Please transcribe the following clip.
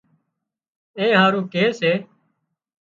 اين هارو ڪي سي